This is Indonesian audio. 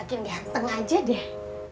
akan ganteng aja deh